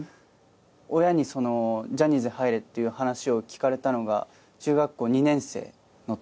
親にジャニーズ入れって話を言われたのが中学校２年生のときで。